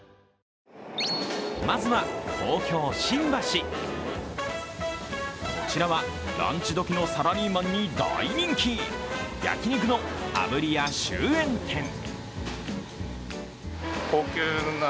まずは東京・新橋、こちらはランチ時のサラリーマンに大人気、焼き肉の炙りや秀苑天。